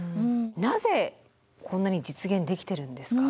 なぜこんなに実現できてるんですか？